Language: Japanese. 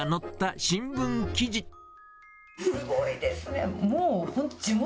すごいですね。